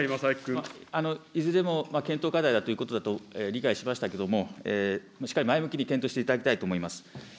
いずれも検討課題だということだと理解しましたけれども、しっかり前向きに検討していただきたいと思います。